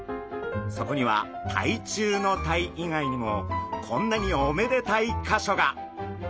そこには鯛中鯛以外にもこんなにおめでたいかしょが！